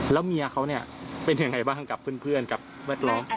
แล้วเมียมันเป็นอย่างไรบ้างเพื่อนกับเวลานั้น